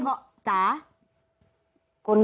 ทำไมในข่าวเหมือนกับพุ่งไปที่เขาสักคนเดียวเลยคะ